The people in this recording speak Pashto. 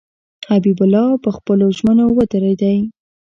حبیب الله پر خپلو ژمنو ودرېدی.